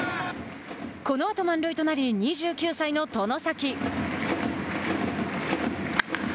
このあと満塁となり、２９歳の外崎。